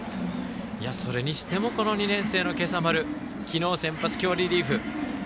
それにしてもこの２年生の今朝丸昨日先発、今日リリーフ。